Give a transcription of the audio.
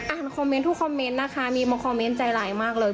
อ่านคอมเม้นท์ทุกคอมเม้นท์นะคะมีมาคอมเม้นท์ใจร้ายมากเลย